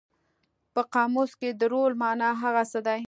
په قاموس کې د رول مانا هغه څه دي.